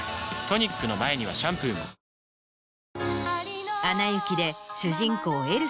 トニックの前にはシャンプーも『アナ雪』で。